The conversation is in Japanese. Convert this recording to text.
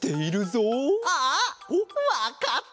あわかった！